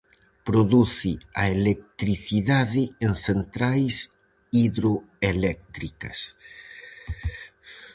Produce a electricidade en centrais hidroeléctricas.